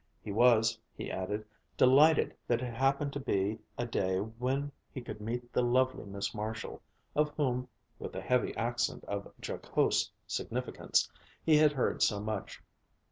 He was, he added, delighted that it happened to be a day when he could meet the lovely Miss Marshall of whom (with a heavy accent of jocose significance) he had heard so much.